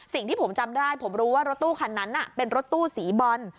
สิ่งที่ผมจำได้ผมรู้ว่ารถตู้คันนั้นเป็นรถตู้สีบอล